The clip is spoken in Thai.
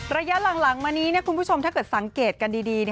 ระยะหลังมานี้คุณผู้ชมถ้าเกิดสังเกตกันดี